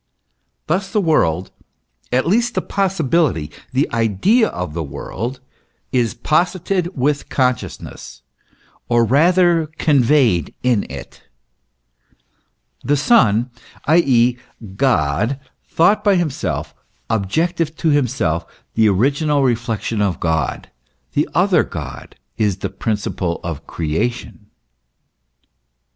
Thus the world at least the possi bility, the idea of the world is posited with consciousness, or rather conveyed in it. The Son, i.e., God thought by himself, THE MYSTERY OF THE COSMO GOXICAL PRINCIPLE. 81 objective to himself, the original reflection of God, the other God, is the principle of Creation.